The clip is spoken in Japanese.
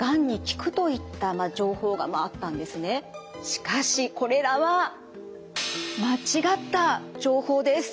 しかしこれらは間違った情報です。